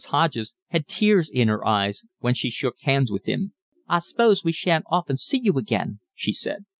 Hodges had tears in her eyes when she shook hands with him. "I suppose we shan't often see you again," she said.